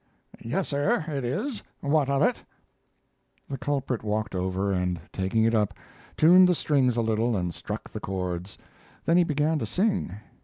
"Yes, sir, it is; what of it?" The culprit walked over, and taking it up, tuned the strings a little and struck the chords. Then he began to sing.